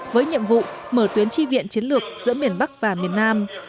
với nhiệm vụ mở tuyến tri viện chiến lược giữa biển bắc và miền nam